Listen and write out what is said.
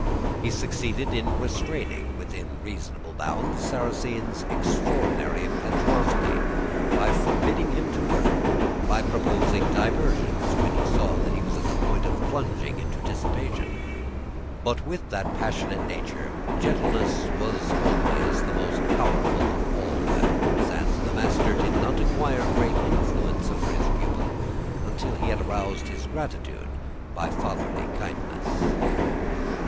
He succeeded in restraining within reasonable bounds Sarrasine's extraordinary impetuosity, by forbidding him to work, by proposing diversions when he saw that he was on the point of plunging into dissipation. But with that passionate nature, gentleness was always the most powerful of all weapons, and the master did not acquire great influence over his pupil until he had aroused his gratitude by fatherly kindness.